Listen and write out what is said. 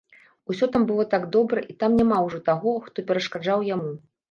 Усё там было так добра і там няма ўжо таго, хто перашкаджаў яму.